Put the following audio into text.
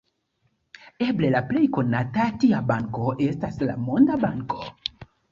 Eble la plej konata tia banko estas la Monda Banko.